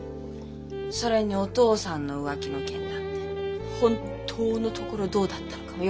それにお父さんの浮気の件だって本当のところどうだったのかもよく分かんないし。